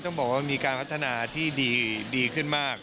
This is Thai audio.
ต้องบอกว่ามีการพัฒนาที่ดีขึ้นมาก